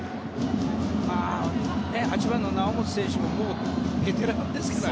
８番の猶本選手もベテランですからね。